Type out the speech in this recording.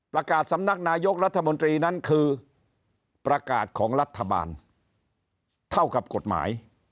สำนักนายกรัฐมนตรีนั้นคือประกาศของรัฐบาลเท่ากับกฎหมาย